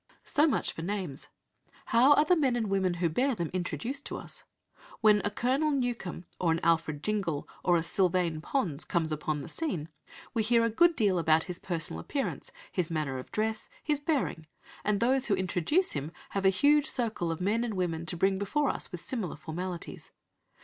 So much for names. How are the men and women who bear them "introduced" to us? When a Colonel Newcome, or an Alfred Jingle, or a Sylvain Pons comes upon the scene, we hear a good deal about his personal appearance, his manner of dress, his bearing, and those who introduce him have a huge circle of men and women to bring before us with similar formalities.